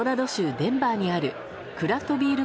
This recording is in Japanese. デンバーにあるクラフトビール